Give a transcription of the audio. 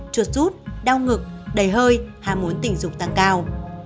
chuột rút đau ngực đầy hơi hàm muốn tỉnh dục tăng cao